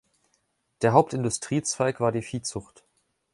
Der Hauptindustriezweig war die Viehzucht.